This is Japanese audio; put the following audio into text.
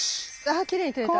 あきれいに撮れた。